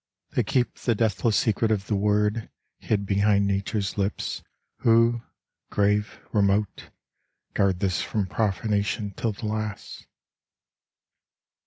They keep the deathless secret of the word Hid behind Nature's lips, who, grave, remote, Guard this from profanation till the last.